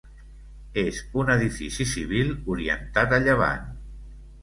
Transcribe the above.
És un edifici civil orientat a llevant.